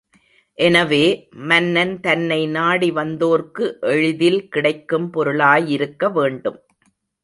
எனவே, மன்னன் தன்னை நாடி வந்தோர்க்கு எளிதில் கிடைக்கும் பொருளாயிருக்க வேண்டும்.